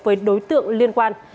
với đối tượng liên quan